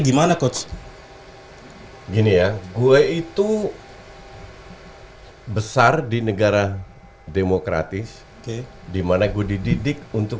gimana coach hai gini ya gue itu hai besar di negara demokratis di mana gue dididik untuk